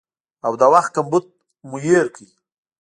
او د وخت کمبود مو هېر کړ